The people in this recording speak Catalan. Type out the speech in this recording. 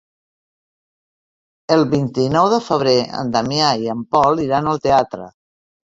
El vint-i-nou de febrer en Damià i en Pol iran al teatre.